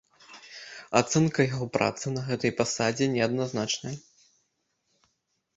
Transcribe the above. Ацэнка яго працы на гэтай пасадзе неадназначная.